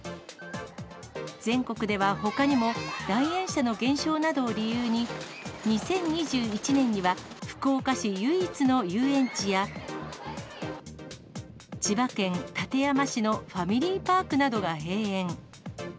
全国ではほかにも、来園者の減少などを理由に、２０２１年には福岡市唯一の遊園地や、千葉県館山市のファミリーパークなどが閉園。